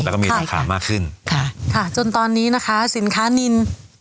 แล้วก็มีราคามากขึ้นค่ะค่ะจนตอนนี้นะคะสินค้านิน